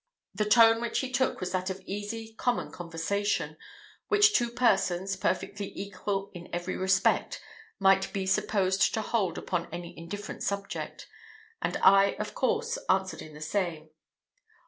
The tone which he took was that of easy, common conversation, which two persons, perfectly equal in every respect, might be supposed to hold upon any indifferent subject; and I, of course, answered in the same.